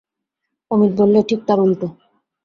অমিত বললে, ঠিক তার উলটো।